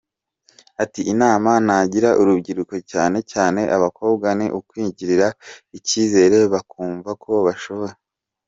Ati “Inama nagira urubyiruko cyane cyane abakobwa ni ukwigirira icyizere bakumva ko bashoboye.